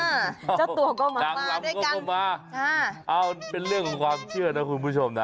เจ้าตัวก็มานางลำก็มาเอาเป็นเรื่องของความเชื่อนะคุณผู้ชมนะ